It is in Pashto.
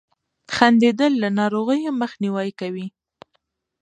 • خندېدل له ناروغیو مخنیوی کوي.